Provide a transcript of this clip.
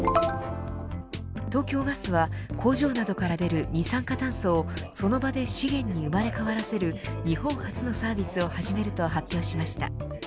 東京ガスは工場などから出る二酸化炭素をその場で資源に生まれ変わらせる日本初のサービスを始めると発表しました。